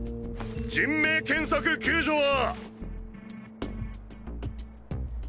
人命検索救助は。